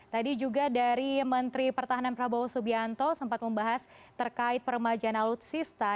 tadi juga dari menteri pertahanan prabowo subianto sempat membahas terkait peremajaan alutsista